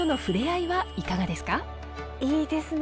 いいですね。